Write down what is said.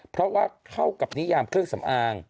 เพราะว่าเข้ากับนิยามเครื่องสำอาง